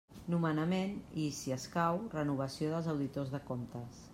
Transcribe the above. Nomenament i, si escau, renovació dels auditors de comptes.